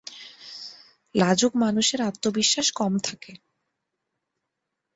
লাজুক মানুষের আত্মবিশ্বাস কম থাকে।